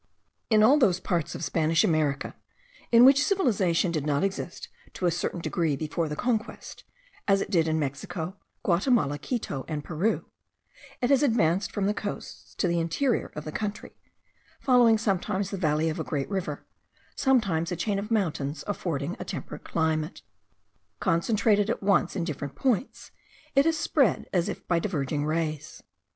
In all those parts of Spanish America in which civilization did not exist to a certain degree before the Conquest (as it did in Mexico, Guatimala, Quito, and Peru), it has advanced from the coasts to the interior of the country, following sometimes the valley of a great river, sometimes a chain of mountains, affording a temperate climate. Concentrated at once in different points, it has spread as if by diverging rays.